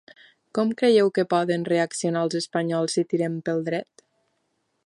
Com creieu que poden reaccionar els espanyols si tirem pel dret?